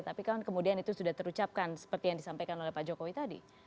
tapi kan kemudian itu sudah terucapkan seperti yang disampaikan oleh pak jokowi tadi